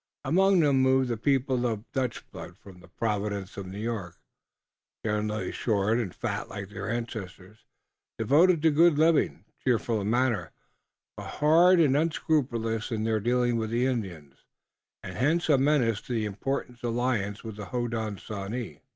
Among them moved the people of Dutch blood from the province of New York, generally short and fat like their ancestors, devoted to good living, cheerful in manner, but hard and unscrupulous in their dealing with the Indians, and hence a menace to the important alliance with the Hodenosaunee.